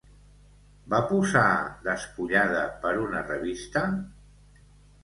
Va posar despullada per una revista?